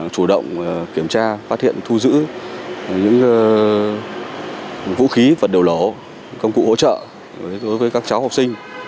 chủ động kiểm tra phát hiện thu giữ những vũ khí vật liều nổ công cụ hỗ trợ đối với các cháu học sinh